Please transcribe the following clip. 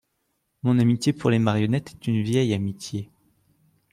Mon amitié pour les marionnettes est une vieille amitié.